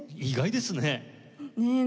意外ですね。